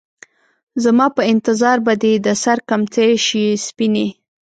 زما په انتظار به دې د سـر کمڅـۍ شي سپينې